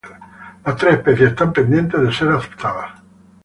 Las tres especies están pendientes de ser aceptadas.